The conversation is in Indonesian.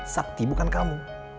sakti bukan kamu